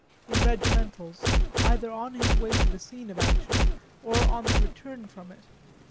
in regimentals, either on his way to the scene of action or on the return from it.